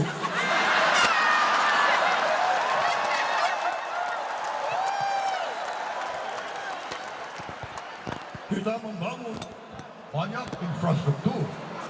kita membangun banyak infrastruktur